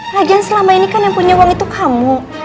rajin selama ini kan yang punya uang itu kamu